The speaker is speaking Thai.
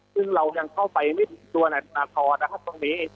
ซึ่งเรายังเข้าไปไม่ถึงตัวในตรงนี้